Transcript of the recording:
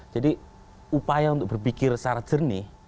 jadi upaya untuk berpikir secara jernih